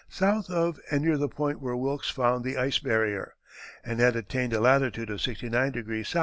south of and near the point where Wilkes found the ice barrier, and had attained a latitude of 69° S.